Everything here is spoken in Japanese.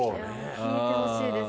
聞いてほしいです。